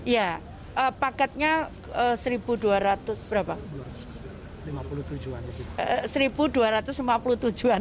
ya paketnya satu dua ratus berapa